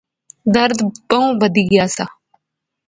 درد بہوں بدھی گیا سا